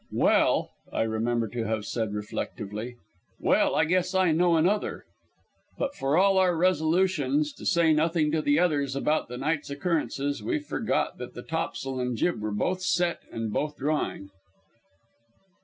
"Well," I remember to have said reflectively, "well I guess I know another." But for all our resolutions to say nothing to the others about the night's occurrences, we forgot that the tops'l and jib were both set and both drawing.